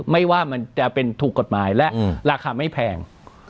ไม่ว่ามันจะเป็นถูกกฎหมายและราคาไม่แพง